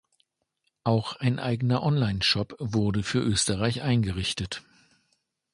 Auch ein eigener Online-Shop wurde für Österreich eingerichtet.